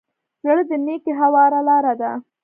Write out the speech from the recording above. زړه د نېکۍ هواره لاره ده.